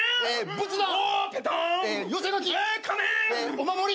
お守り。